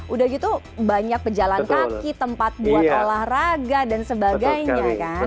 udah gitu banyak pejalan kaki tempat buat olahraga dan sebagainya kan